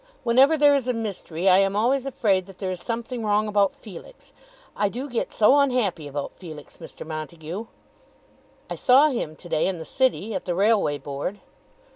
Whenever there is a mystery I am always afraid that there is something wrong about Felix. I do get so unhappy about Felix, Mr. Montague." "I saw him to day in the city, at the Railway Board."